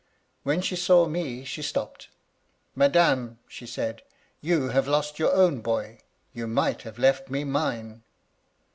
When she saw me, she stopped :* Madame,' she said, *you have lost your own boy. You might have left me mine.'